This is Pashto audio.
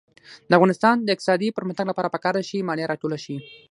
د افغانستان د اقتصادي پرمختګ لپاره پکار ده چې مالیه راټوله شي.